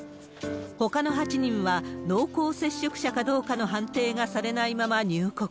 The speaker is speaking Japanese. ほかの８人は濃厚接触者かどうかの判定がされないまま入国。